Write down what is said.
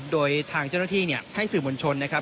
โดยทางเจ้าหน้าที่ให้สื่อมวลชนนะครับ